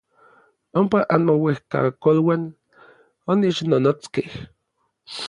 Ompa anmouejkakoluan onechnonotskej.